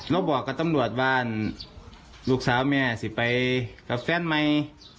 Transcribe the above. แล้วบอกกับตำรวจว่าลูกสาวแม่สิไปกับแฟนใหม่